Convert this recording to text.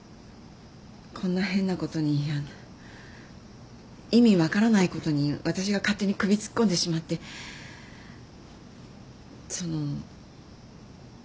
こんな変なことにあの意味分からないことに私が勝手に首突っ込んでしまってその。